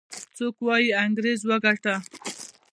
څوک وايي انګريز وګاټه.